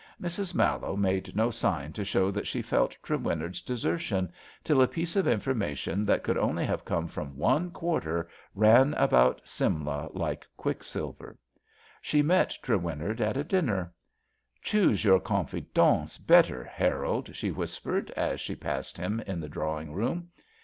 Mrs. Mallowe made no sign to show that she felt Trewinnard ^s desertion till a piece of information that could only have comie from one quarter ran about Simla like quicksilver. She met Trewin nard at a dinner. ^^ Choose your confidantes bet ter, Harold,'* she whispered as she passed him in the drawing room.